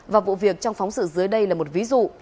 và vụ việc trong phóng sự dưới đây là một ví dụ